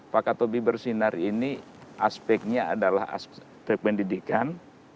pakatobi bersinar ini aspeknya adalah aspek pendidikan